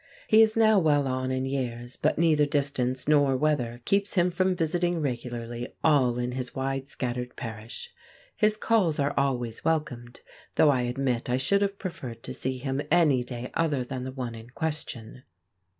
He is now well on in years, but neither distance nor weather keeps him from visiting regularly all in his wide scattered parish. His calls are always welcomed, though I admit I should have preferred to see him any day other than the one in question.